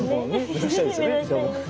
目指したいですね。